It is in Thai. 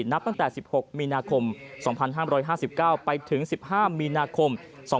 นับตั้งแต่๑๖มีนาคม๒๕๕๙ไปถึง๑๕มีนาคม๒๕๖